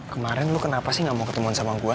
kemarin lu kenapa sih gak mau ketemuan sama gue